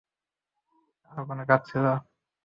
আর কোনো কাজ ছিল?